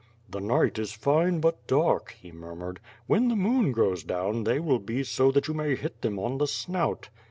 "The night is fine hut dark,*' he murmured. "When the moon ^oes down they will be so that you may hit them on the snout."